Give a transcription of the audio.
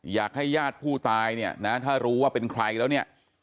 อยากให้ญาติผู้ตายเนี่ยนะถ้ารู้ว่าเป็นใครแล้วเนี่ย